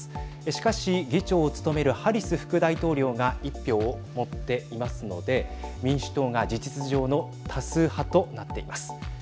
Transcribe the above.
しかし議長を務めるハリス副大統領が１票を持っていますので民主党が事実上の多数派となっています。